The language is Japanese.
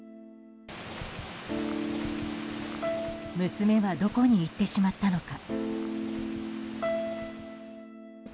娘はどこに行ってしまったのか。